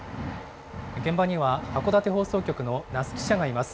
現場には、函館放送局の奈須記者がいます。